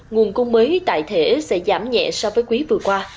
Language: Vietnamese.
nguồn cung mới tại thể sẽ giảm nhẹ so với quý vừa qua